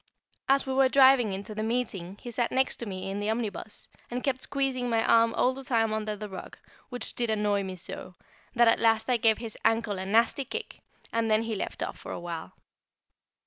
As we were driving in to the meeting he sat next me in the omnibus, and kept squeezing my arm all the time under the rug, which did annoy me so, that at last I gave his ankle a nasty kick, and then he left off for a little.